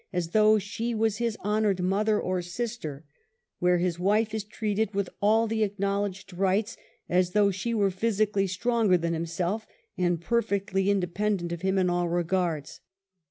7 a8 though she was his honored mother or sister, where his wife is treated with all the acknowledged rights as though she were physically stronger than himself, and perfectly independent of him in all regards.